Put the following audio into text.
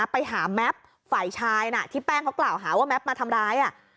ไปหาแม็ปฝ่ายชายนะที่แป้งเขากล่าวหาว่าแป๊บมาทำร้าย